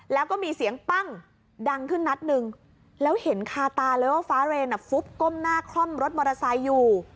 แล้วก็มีเสียงปั้งดังขึ้นนัดหนึ่งแล้วเห็นคาตาเลยว่าฟ้าเรนฟุบก้มหน้าคล่อมรถมอเตอร์ไซค์อยู่